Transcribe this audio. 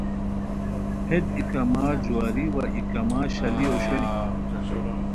ہیت ای کما جُواری وا ای کما شالی اوشونی